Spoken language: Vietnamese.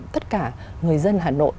tất cả người dân hà nội